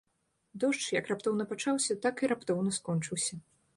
Дождж як раптоўна пачаўся, так і раптоўна скончыўся.